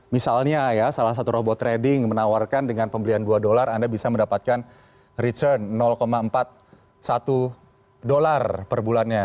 misalnya ya salah satu robot trading menawarkan dengan pembelian dua dolar anda bisa mendapatkan return empat puluh satu dolar per bulannya